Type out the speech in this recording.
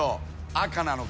青なのか？